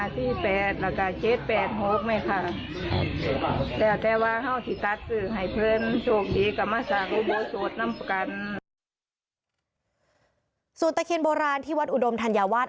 ส่วนตะเคียนโบราณที่วัดอุดมธัญวัฒน์